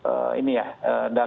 terima kasih pak